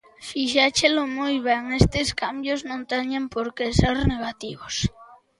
Fixéchelo moi ben, estes cambios non teñen por que ser negativos